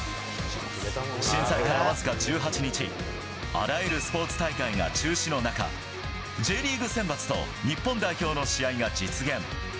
震災から僅か１８日、あらゆるスポーツ大会が中止の中、Ｊリーグ選抜と日本代表の試合が実現。